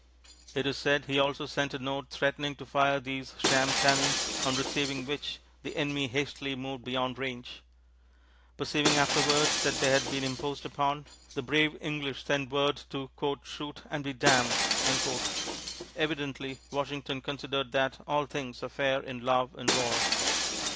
It is said he also sent a note threatening to fire these sham cannon, on receiving which the enemy hastily moved beyond range. Perceiving afterwards that they had been imposed upon, the brave English sent word to "shoot and be damned." Evidently, Washington considered that all things are fair in love and war.